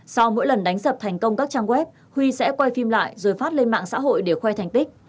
sau mỗi lần đánh sập thành công các trang web huy sẽ quay phim lại rồi phát lên mạng xã hội để khoe thành tích